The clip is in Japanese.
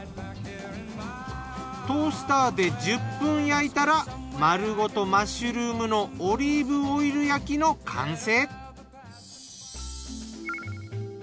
トースターで１０分焼いたら丸ごとマッシュルームのオリーブオイル焼きの完成。